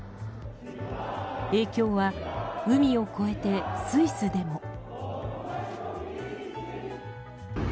影響は海を越えて、スイスでも。